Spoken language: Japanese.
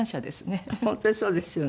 本当にそうですよね。